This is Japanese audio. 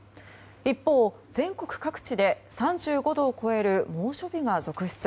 一方、全国各地で３５度を超える猛暑日が続出。